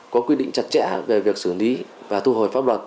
có quy định chặt chẽ về việc xử lý và thu hồi pháp luật